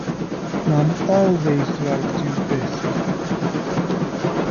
Mom Always Liked You Best!